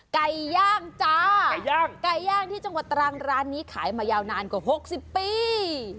ไก่ย่างจ้าไก่ย่างที่จังหวัดตรังร้านนี้ขายมายาวนานกว่า๖๐ปี